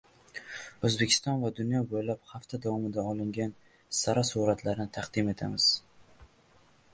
O‘zbekiston va dunyo bo‘ylab hafta davomida olingan sara suratlarni taqdim etamiz